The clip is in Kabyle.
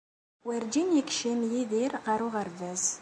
Werǧin yekcim Yidir ɣer uɣerbaz.